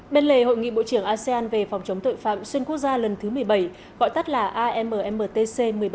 bên lề hội nghị bộ trưởng asean về phòng chống tội phạm xuyên quốc gia lần thứ một mươi bảy gọi tắt là ammtc một mươi bảy